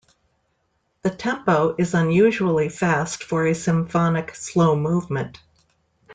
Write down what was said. The tempo is unusually fast for a symphonic slow movement.